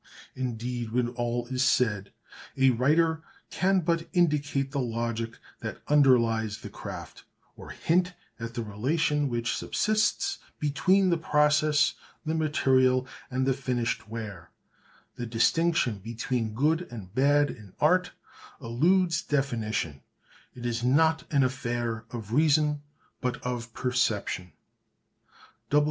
Indeed, when all is said, a writer can but indicate the logic that underlies the craft, or hint at the relation which subsists between the process, the material, and the finished ware: the distinction between good and bad in art eludes definition; it is not an affair of reason, but of perception.